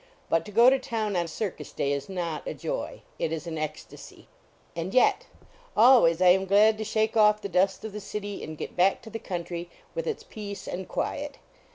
But to go to town on circus day is not a joy. It is an ecstasy. And yet, always am I glad to shake off the dust of the city and get back to the coun try with its peace and quiet.